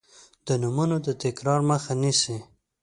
د نومونو د تکرار مخه نیسي.